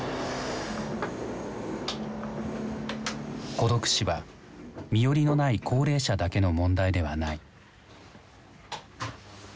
孤独死は身寄りのない高齢者だけの問題ではない。